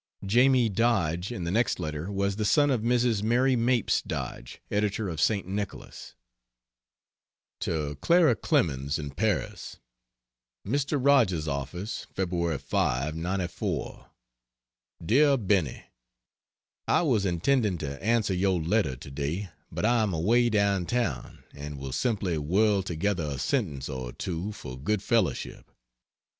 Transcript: "Jamie" Dodge, in the next letter, was the son of Mrs. Mary Mapes Dodge, editor of St. Nicholas. To Clara Clemens, in Paris: MR. ROGERS'S OFFICE, Feb. 5, '94. Dear Benny I was intending to answer your letter to day, but I am away down town, and will simply whirl together a sentence or two for good fellowship.